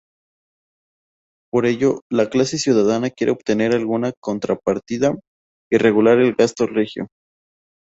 Por ello, la clase ciudadana quiere obtener alguna contrapartida y regular el gasto regio.